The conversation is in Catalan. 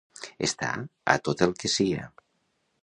Estar a tot el que sia.